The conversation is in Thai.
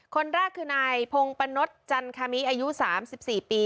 คนแรกคือนายพงปะนดจันคามิอายุ๓๔ปี